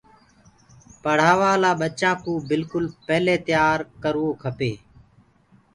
پڙهآوآ لآ ٻچآن ڪو بِلڪُل پيلي تيآ ڪروو ڪپي